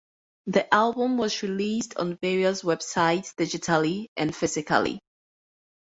The album was released on various websites digitally and physically.